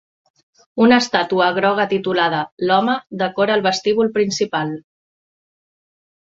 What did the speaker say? Una estàtua groga titulada "L'home" decora el vestíbul principal.